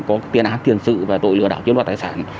có tiền án tiền sự và tội lừa đảo trên mạng tài sản